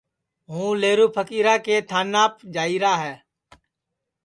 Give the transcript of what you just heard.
ہُوں لیہرو پھکیرا کے تھاناپ جائییرا ہے